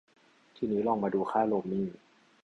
ที่นี้ลองมาดูค่าโรมมิ่ง